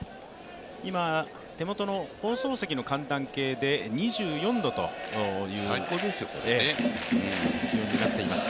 今、手元の放送席の寒暖計で２４度という気温になっています。